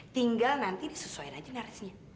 tinggal nanti disesuaikan aja narasinya